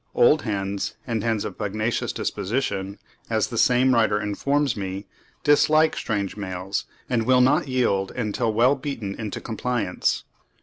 Old hens, and hens of a pugnacious disposition, as the same writer informs me, dislike strange males, and will not yield until well beaten into compliance.